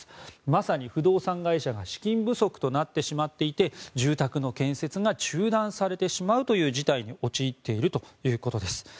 まさに不動産会社が資金不足となってしまっていて住宅の建設が中断されてしまうという事態に陥っているということです。